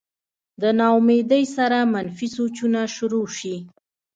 د نا امېدۍ سره منفي سوچونه شورو شي